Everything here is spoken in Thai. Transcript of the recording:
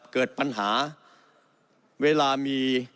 เกิดปัญหาเวลามี